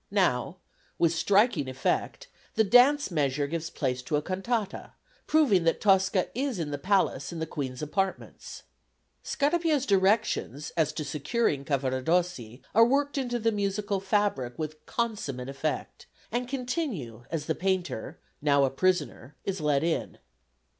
Now, with striking effect, the dance measure gives place to a cantata, proving that Tosca is in the Palace in the Queen's apartments. Scarpia's directions as to securing Cavaradossi are worked into the musical fabric with consummate effect, and continue as the painter, now a prisoner, is led in.